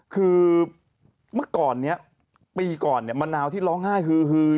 คือเมื่อก่อนนี้ปีก่อนเนี่ยมะนาวที่ร้องไห้คือ